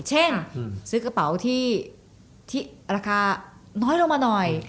ซื้อกระเป๋าที่ราคาน้อยลงมาหน่อย